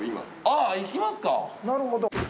なるほど。